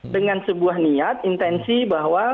dengan sebuah niat intensi bahwa